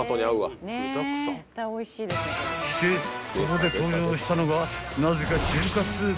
［してここで登場したのがなぜか］